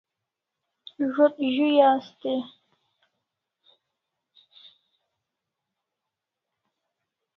Zo't zu'i asta e?